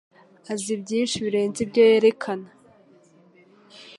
Azi byinshi birenze ibyo yerekana.